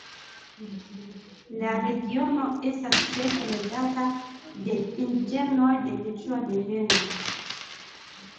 La regiono estas ĉefe loĝata de indiĝenoj de keĉua deveno.